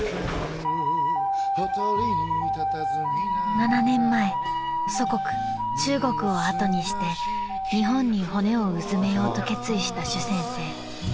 ［７年前祖国中国を後にして日本に骨をうずめようと決意した朱先生］